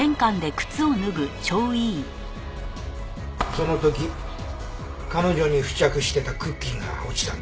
その時彼女に付着してたクッキーが落ちたんだ。